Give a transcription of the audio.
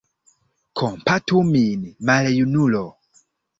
Kompatu min, maljunulo!